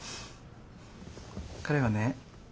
彼はね